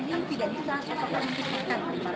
sosok dikisahkan dari markan ilmuwan